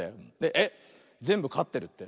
えっぜんぶかってるって？